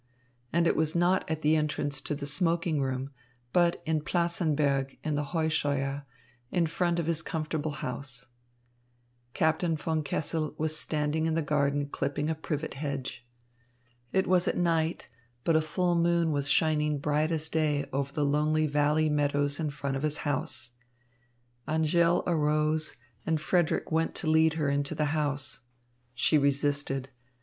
And it was not at the entrance to the smoking room, but in Plassenberg in the Heuscheuer, in front of his comfortable house. Captain von Kessel was standing in the garden clipping a privet hedge. It was at night, but a full moon was shining bright as day over the lonely valley meadows in front of his house. Angèle arose and Frederick went to lead her into the house. She resisted.